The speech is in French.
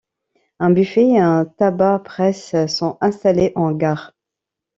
Un buffet et un tabac-presse sont installés en gare.